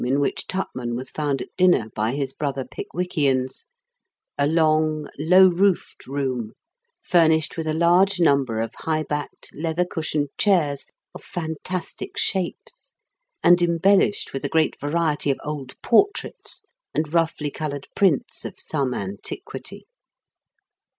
9 in which Tupman was found at dinner by his brother Pickwickians, " a long, low roofed room, furnished with a large number of high backed leather cushioned chairs of fantastic shapes, and embellished with a great variety of old portraits and roughly coloured prints of some antiquity."